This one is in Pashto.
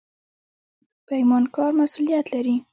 پیمانکار مسوولیت لري